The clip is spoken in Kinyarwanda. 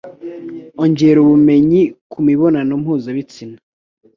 Ongera ubumenyi kumibonano mpuzabitsina.